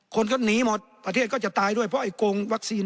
คนก็หนีหมดประเทศก็จะตายด้วยเพราะไอ้โกงวัคซีน